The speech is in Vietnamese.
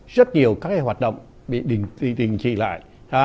rất nhiều các hoạt động bị đình trị lại